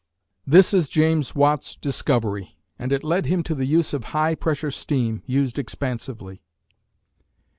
This is James Watt's discovery, and it led him to the use of high pressure steam, used expansively.